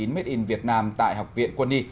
made in vietnam tại học viện quân y